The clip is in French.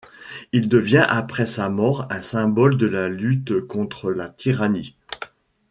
Il devient après sa mort un symbole de la lutte contre la tyrannie.